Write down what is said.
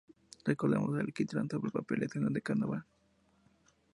Recordamos el alquitrán sobre papel "Escena de carnaval".